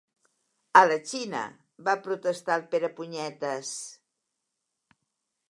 A la Xina! —va protestar el Perepunyetes.